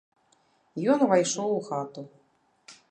Ён увайшоў у хату.